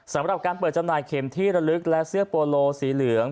สำหรับการเปิดจำหน่ายเข็มที่ระลึกและเสื้อโปโลสีเหลือง